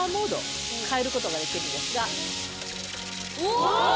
お！